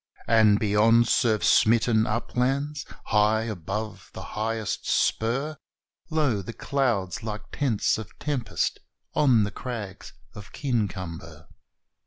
And beyond surf smitten uplands high above the highest spur Lo! the clouds like tents of tempest on the crags of Kincumber!